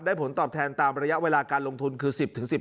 ผลตอบแทนตามระยะเวลาการลงทุนคือ๑๐๑๕